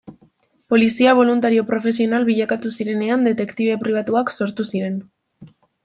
Polizia boluntario profesional bilakatu zirenean detektibe pribatuak sortu ziren.